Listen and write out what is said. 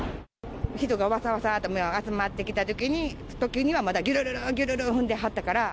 人がわさわさと集まってきたときには、まだ、ぎゅるるる、ぎゅるるって踏んではったから。